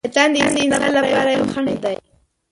شیطان د انسان لپاره یو خڼډ دی.